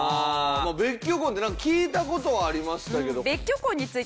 まあ別居婚ってなんか聞いた事はありましたけど。